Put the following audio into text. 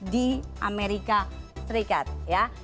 di amerika serikat ya